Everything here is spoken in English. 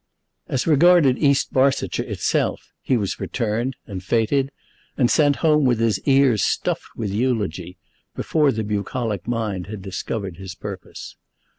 As regarded East Barsetshire itself, he was returned, and fêted, and sent home with his ears stuffed with eulogy, before the bucolic mind had discovered his purpose.